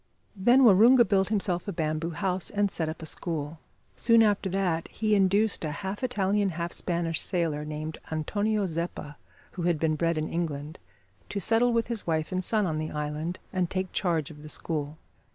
Then Waroonga built himself a bamboo house, and set up a school. Soon after that he induced a half Italian, half Spanish sailor, named Antonio Zeppa, who had been bred in England, to settle with his wife and son on the island, and take charge of the school.